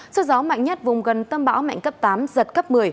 sức gió mạnh nhất vùng gần tâm bão mạnh cấp tám giật cấp một mươi